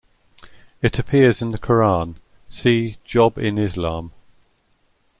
It appears in the Quran: see Job in Islam.